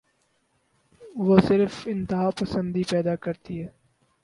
وہ صرف انتہا پسندی پیدا کرتی ہے۔